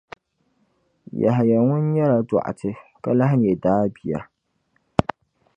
Yahaya ŋun nyɛla dɔɣitɛ ka lahi nya daa bia.